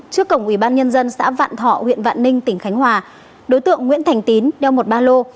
trước cổng ủy ban nhân dân xã vạn thọ huyện vạn ninh tỉnh khánh hỏa đối tượng nguyễn thành tín đeo một ba lô